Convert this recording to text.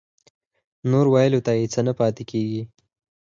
نور ويلو ته څه نه پاتې کېږي.